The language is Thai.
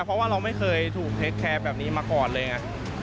เพราะว่าเราไม่เคยถูกเทคแคร์แบบนี้มาก่อนเลยไง